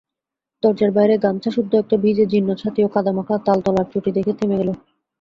দরজার বাইরে গামছাসুদ্ধ একটা ভিজে জীর্ণ ছাতি ও কাদামাখা তালতলার চটি দেখে থেমে গেল।